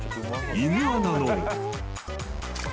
［イグアナの］